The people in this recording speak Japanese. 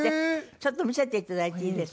ちょっと見せて頂いていいですか。